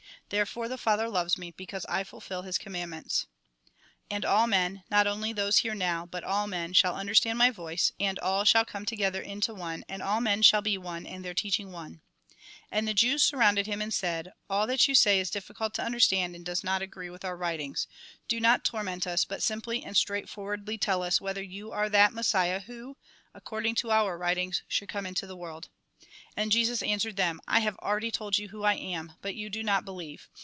There fore the Father loves me, because I fulfil His com mandments. " And all men, not only those here now, but all men, shall understand my voice ; and all sliall come together into one, and all men shall be one, and their teaching one." And the Jews surrounded him, and said :" All THE GOSPEL IN BRIEF that you Scay is difficult to understand, and does not agree with oiir writings. Do not torment us, but simply and straightforwardly tell us, whether you are that Messiah who, according to our writings, should come into the world." And Jesus answered them :" I have already told you who I am, but you do not believe.